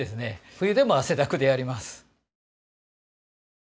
冬でも汗だくでやります。